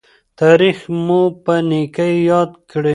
تاریخ مو په نیکۍ یاد کړي.